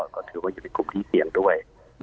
ก็ถือว่าจะไปคุกพิเศษด้วย